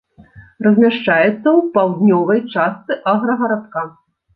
Размяшчаецца ў паўднёвай частцы аграгарадка.